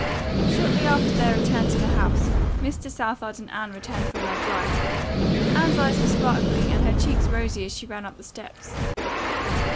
Shortly after their return to the house Mr. Southard and Anne returned from their drive. Anne's eyes were sparkling and her cheeks rosy as she ran up the steps.